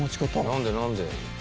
何で何で？